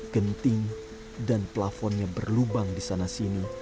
genting dan plafonnya berlubang di sana sini